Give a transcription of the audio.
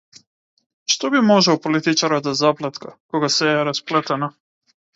Што би можел политичарот да заплетка кога сѐ е расплетено?